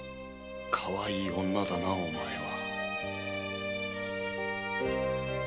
かわいい女だなお前は。